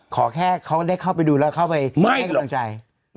ขอแค่เขาได้เข้าไปดูแล้วเข้าไปให้กำลังใจ